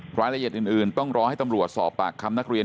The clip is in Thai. รายละเอียดอื่นต้องรอให้ตำรวจสอบปากคำนักเรียน